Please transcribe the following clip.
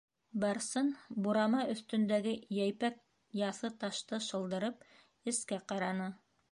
Барсын, бурама өҫтөндәге йәйпәк яҫы ташты шылдырып, эскә ҡараны.